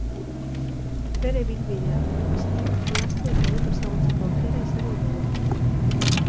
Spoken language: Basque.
Bere ibilbidea errepasatu, jolastu eta hobeto ezagutzeko aukera izango dugu.